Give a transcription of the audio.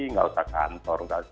tidak usah kantor